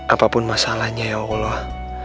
apapun masalahnya ya allah